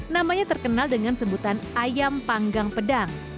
namanya terkenal dengan sebutan ayam panggang pedang